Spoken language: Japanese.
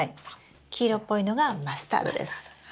黄色っぽいのがマスタードです。